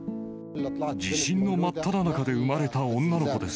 地震の真っただ中で産まれた女の子です。